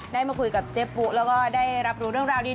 มาคุยกับเจ๊ปุ๊แล้วก็ได้รับรู้เรื่องราวนี้